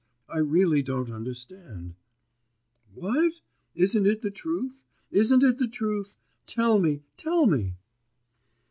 I really don't understand....' 'What! isn't it the truth? Isn't it the truth? tell me, tell me.